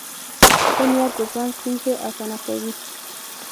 ښه نیت د ژوند ستونزې اسانه کوي.